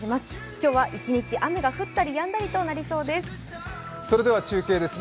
今日は一日雨が降ったりやんだりとなりそうです。